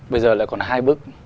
bây giờ lại còn hai bức